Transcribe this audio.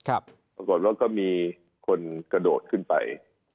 รวมนั้นก็มีคนกระโดดขึ้นไป